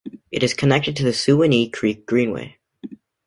It is connected to the Suwanee Creek Greenway.